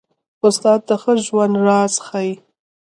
استاد د ښه ژوند راز ښيي.